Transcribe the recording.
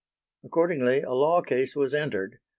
Accordingly a law case was entered.